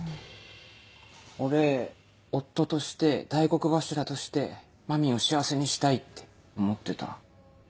俺夫として大黒柱としてまみんを幸せにしたいって思ってた。